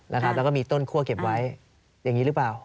แล้วก็มีต้นคั่วเก็บไว้อย่างนี้หรือเปล่า